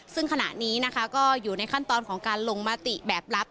ซึ่งขณะนี้นะคะก็อยู่ในขั้นตอนของการลงมติแบบลับ